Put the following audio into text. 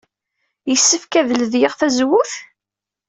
Yessefk ad ledyeɣ tazewwut?